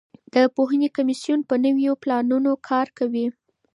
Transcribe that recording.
د پوهنې کمیسیون په نویو پلانونو کار کوي.